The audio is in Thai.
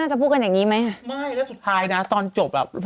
เอ้าเห็นคุยกันตั้งนานนึกว่าแบบขำอ่ะเห็นคุยกันตั้งนานนึกว่าแบบขำอ่ะ